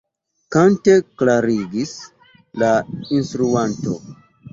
Kante klarigis la instruanto.